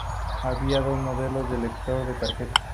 Profundidad Superficial.